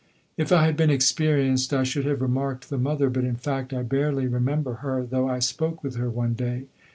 If I had been experienced, I should have remarked the mother, but in fact I barely remember her, though I spoke with her one day.